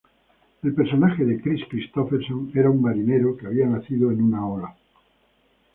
El personaje de Kris Kristofferson era un marinero que había nacido en una ola.